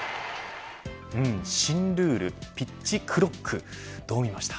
新ルール、ピッチクロックどう見ました。